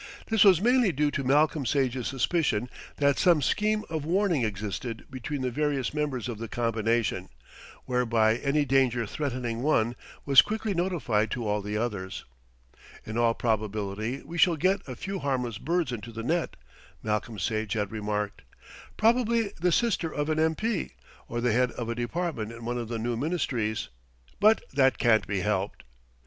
This was mainly due to Malcolm Sage's suspicion that some scheme of warning existed between the various members of the combination, whereby any danger threatening one was quickly notified to all the others. "In all probability we shall get a few harmless birds into the net," Malcolm Sage had remarked. "Probably the sister of an M.P., or the head of a department in one of the new Ministries; but that can't be helped."